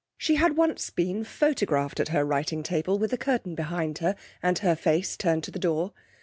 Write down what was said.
She had once been photographed at her writing table, with a curtain behind her, and her face turned to the door.